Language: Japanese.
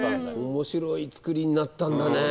面白い作りになったんだね。